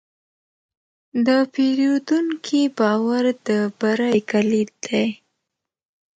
د پیرودونکي باور د بری کلید دی.